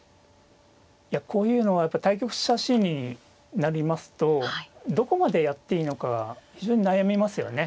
こういうのはやっぱり対局者心理になりますとどこまでやっていいのか非常に悩みますよね。